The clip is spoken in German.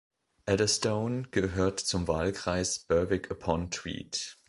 Adderstone gehört zum Wahlkreis Berwick-upon-Tweed.